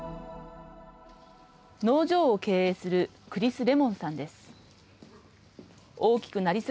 農場を経営するクリス・レモンさんです。